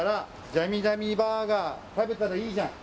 「ジャミジャミバーガー食べたらいいじゃん！」